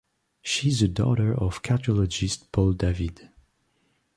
She is the daughter of cardiologist Paul David.